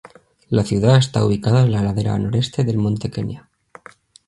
La ciudad está ubicada en la ladera noreste del Monte Kenia.